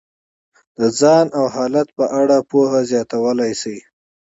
د ځان او حالت په اړه پوهه زیاتولی شي.